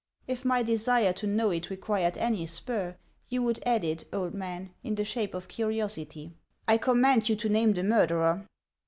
" If my desire to know it required any spur, you would add it, old man, in the shape of curiosity. I command you to name the murderer."